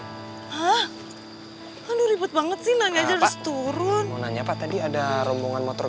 hai hah aduh ribet banget sih nanya terus turun mau nanya pak tadi ada rombongan motor